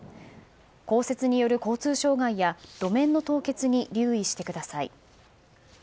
降雪による交通障害や路面の凍結に留意してください。